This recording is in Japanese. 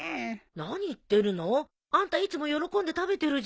何言ってるの。あんたいつも喜んで食べてるじゃない。